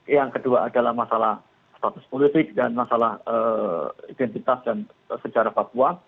yang kedua adalah masalah status politik dan masalah identitas dan sejarah papua